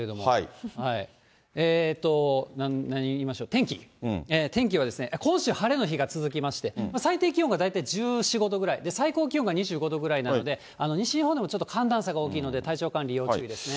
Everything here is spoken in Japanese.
天気、天気は今週、晴れの日が続きまして、最低気温が大体１４、５度ぐらい、最高気温が２４、５度ぐらいなんで、西日本でもちょっと寒暖差が大きいので体調管理要注意ですね。